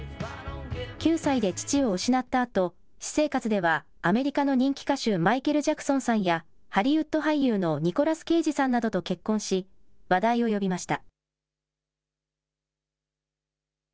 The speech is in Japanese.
９歳で父を失ったあと、私生活ではアメリカの人気歌手、マイケル・ジャクソンさんや、ハリウッド俳優のニコラス・ケイジさんなどと結婚し、話題を呼びました。